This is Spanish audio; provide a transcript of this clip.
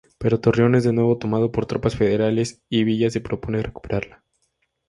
Pero Torreón es de nuevo tomada por tropas federales y Villa se propone recuperarla.